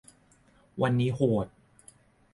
วันนี้โหด